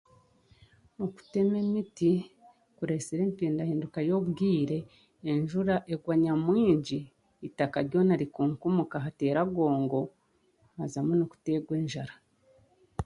Okutema emiti kureetsire empindahinduka y'obwire, enjura egwa nyamwingi, eitaka ryona rikunkumuka hateera gongo hazamu n'okutegwa enjara